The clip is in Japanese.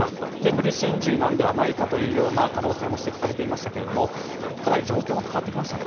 無理心中なのではないかという可能性も指摘されていましたがかなり状況が変わってきましたね。